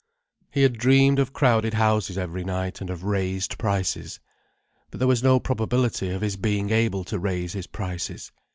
He had dreamed of crowded houses every night, and of raised prices. But there was no probability of his being able to raise his prices.